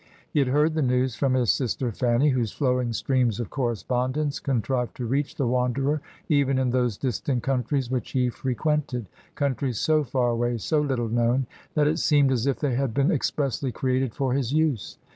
He had heard the news from his sister Fanny, whose flowing streams of correspondence contrived to reach the wanderer even in those distant countries which he frequented, countries so far away, so little known, that it seemed as if they had been expressly created for his use.